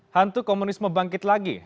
hantu komunis membangkit lagi